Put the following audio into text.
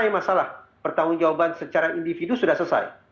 masalah pertanggung jawaban secara individu sudah selesai